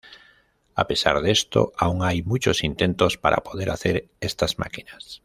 A pesar de esto, aún hay muchos intentos para poder hacer estas máquinas.